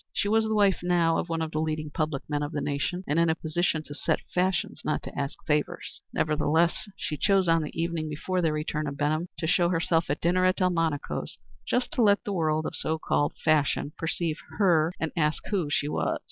She was the wife now of one of the leading public men of the nation, and in a position to set fashions, not to ask favors. Nevertheless she chose on the evening before their return to Benham to show herself at dinner at Delmonico's, just to let the world of so called fashion perceive her and ask who she was.